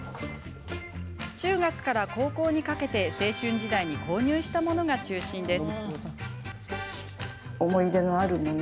中学から高校にかけて青春時代に購入したものが中心です。